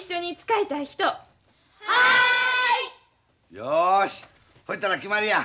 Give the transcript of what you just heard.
よしほいたら決まりや。